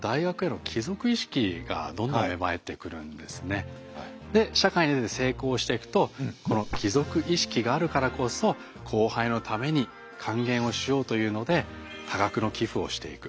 そこからで社会に出て成功していくとこの帰属意識があるからこそ後輩のために還元をしようというので多額の寄付をしていく。